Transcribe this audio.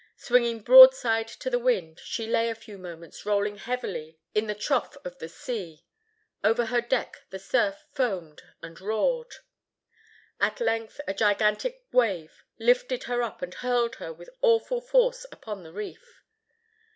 Swinging broadside to the wind, she lay a few moments rolling heavily in the trough of the sea. Over her deck the surf foamed and roared. At length, a gigantic wave lifted her up and hurled her with awful force upon the reef.